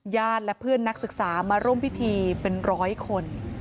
และเพื่อนนักศึกษามาร่วมพิธีเป็นร้อยคน